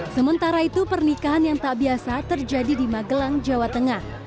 sementara itu pernikahan yang tak biasa terjadi di magelang jawa tengah